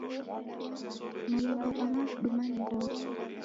Malemba gha maduma ni mbogha.